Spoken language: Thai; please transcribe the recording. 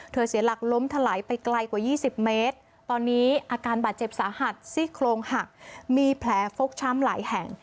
เสียหลักล้มถลายไปไกลกว่า๒๐เมตรตอนนี้อาการบาดเจ็บสาหัสซี่โครงหักมีแผลฟกช้ำหลายแห่ง